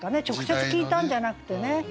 直接聴いたんじゃなくてね。